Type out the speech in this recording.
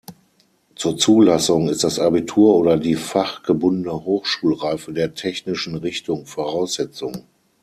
Zur Zulassung ist das Abitur oder die fachgebundene Hochschulreife der technischen Richtung Voraussetzung.